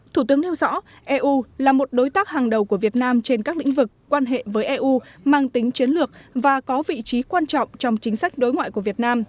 thủ tướng nêu rõ eu là một đối tác hàng đầu của việt nam trên các lĩnh vực quan hệ với eu mang tính chiến lược và có vị trí quan trọng trong chính sách đối mặt